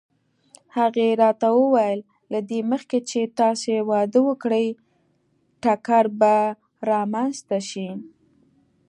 هغې راته وویل: له دې مخکې چې تاسې واده وکړئ ټکر به رامنځته شي.